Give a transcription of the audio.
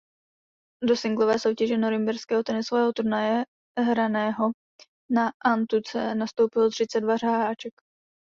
Do singlové soutěže norimberského tenisového turnaje hraného na antuce nastoupilo třicet dva hráček.